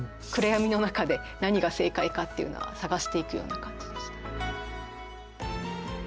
暗闇の中で何が正解かっていうのは探していくような感じでしたね。